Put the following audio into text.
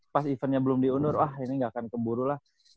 pas eventnya belum diundur wah ini nggak akan keburu lah